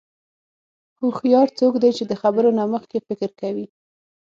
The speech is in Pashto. هوښیار څوک دی چې د خبرو نه مخکې فکر کوي.